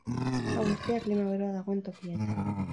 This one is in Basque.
Hau guztia, klima beroa dagoen tokietan.